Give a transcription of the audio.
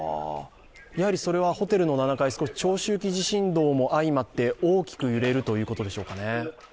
それはホテルの７階長周期地震動もあいまって大きく揺れるということでしょうか？